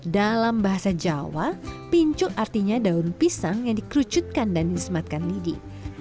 dalam bahasa jawa pincuk artinya daun pisang yang dikerucutkan dan disematkan lidi